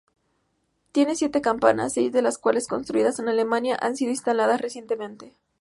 Tiene siete campanas, seis de las cuales, construidas en Alemania, han sido instaladas recientemente.